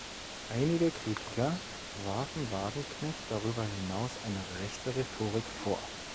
Einige Kritiker warfen Wagenknecht darüber hinaus eine „rechte Rhetorik“ vor.